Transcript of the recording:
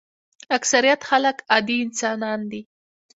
اکثریت خلک عادي انسانان دي.